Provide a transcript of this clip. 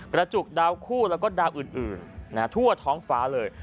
จุกดาวคู่แล้วก็ดาวอื่นทั่วท้องฟ้าเลย